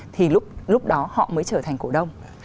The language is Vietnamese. thì lúc đó họ mới trở thành cổ đông